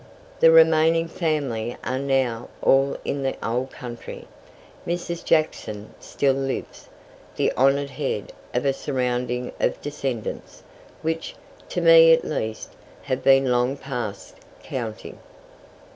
The remaining family are now all in the old country. Mrs. Jackson still lives, the honoured head of a surrounding of descendants, which, to me at least, have been long past counting.